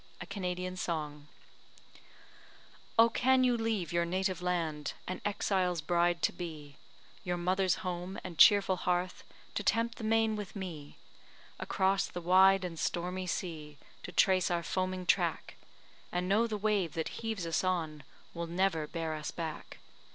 A Canadian Song Oh! can you leave your native land An exile's bride to be; Your mother's home, and cheerful hearth, To tempt the main with me; Across the wide and stormy sea To trace our foaming track, And know the wave that heaves us on Will never bear us back?